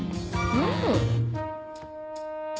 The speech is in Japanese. うん。